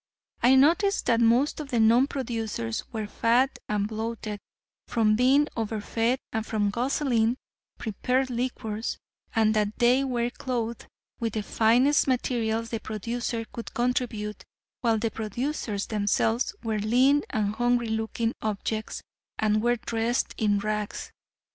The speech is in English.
I noticed that most of the non producers were fat and bloated from being over fed and from guzzling prepared liquors, and that they were clothed with the finest materials the producer could contribute, while the producers themselves were lean and hungry looking objects, and were dressed in rags.